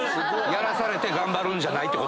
やらされて頑張るんじゃないと。